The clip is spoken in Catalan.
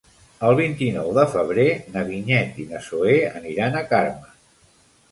El vint-i-nou de febrer na Vinyet i na Zoè aniran a Carme.